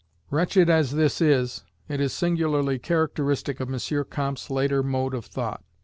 Wretched as this is, it is singularly characteristic of M. Comte's later mode of thought.